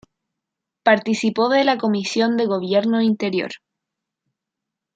Participó de la Comisión de Gobierno Interior.